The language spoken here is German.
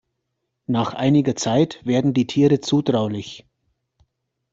Nach einiger Zeit werden die Tiere zutraulich.